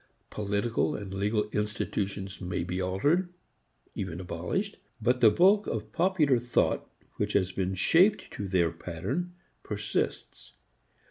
Political and legal institutions may be altered, even abolished; but the bulk of popular thought which has been shaped to their pattern persists.